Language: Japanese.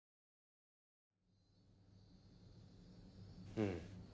うん。